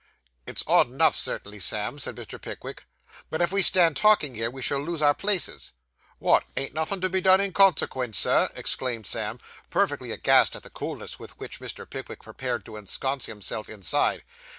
'It's odd enough, certainly, Sam,' said Mr. Pickwick; 'but if we stand talking here, we shall lose our places.' 'Wot, ain't nothin' to be done in consequence, sir?' exclaimed Sam, perfectly aghast at the coolness with which Mr. Pickwick prepared to ensconce himself inside.